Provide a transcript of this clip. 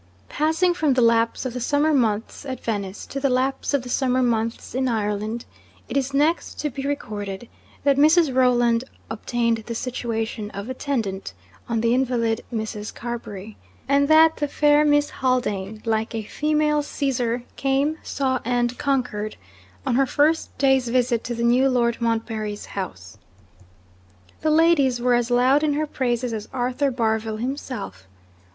Passing from the lapse of the summer months at Venice, to the lapse of the summer months in Ireland, it is next to be recorded that Mrs. Rolland obtained the situation of attendant on the invalid Mrs. Carbury; and that the fair Miss Haldane, like a female Caesar, came, saw, and conquered, on her first day's visit to the new Lord Montbarry's house. The ladies were as loud in her praises as Arthur Barville himself.